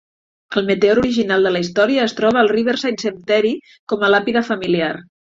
El meteor original de la història es troba al Riverside Cemetery com a làpida familiar.